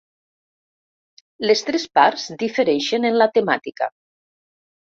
Les tres parts difereixen en la temàtica.